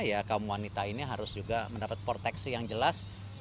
ya kaum wanita ini harus juga mendapat proteksi yang jelas